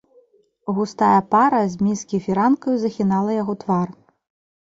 Густая пара з міскі фіранкаю захінала яго твар.